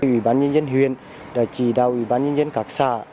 ủy ban nhân dân huyền đã chỉ đạo ủy ban nhân dân các xã